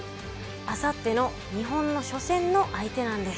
あさっての日本の初戦の相手なんです。